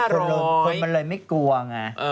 คนมันเลยไม่กลัวไง